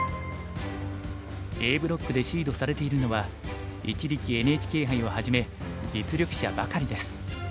Ａブロックでシードされているのは一力ＮＨＫ杯をはじめ実力者ばかりです。